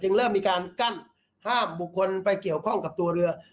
เริ่มมีการกั้นห้ามบุคคลไปเกี่ยวข้องกับตัวเรือ